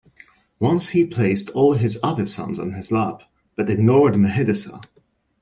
Once he placed all his other sons on his lap, but ignored Mahidasa.